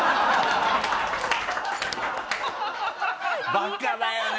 バカだよね！